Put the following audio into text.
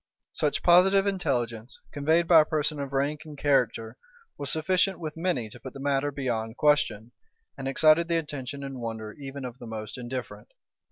Such positive intelligence, conveyed by a person of rank and character, was sufficient with many to put the matter beyond question, and excited the attention and wonder even of the most indifferent.